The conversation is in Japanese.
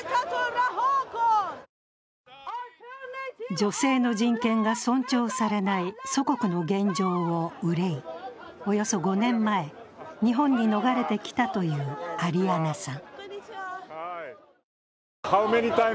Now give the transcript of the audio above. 女性の人権が尊重されない祖国の現状を憂い、およそ５年前、日本に逃れてきたというアリアナさん。